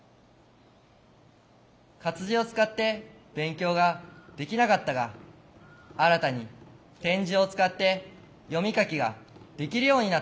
活字を使って勉強ができなかったが新たに点字を使って読み書きができるようになった。